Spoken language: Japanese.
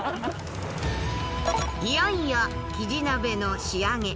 いよいよキジ鍋の仕上げ。